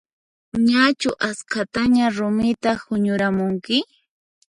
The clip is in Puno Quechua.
Ñachu askhataña rumita huñuramunki?